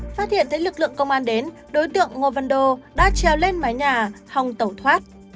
phát hiện thấy lực lượng công an đến đối tượng ngô văn đô đã treo lên mái nhà hòng tẩu thoát